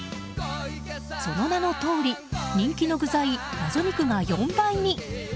その名のとおり人気の具材、謎肉が４倍に。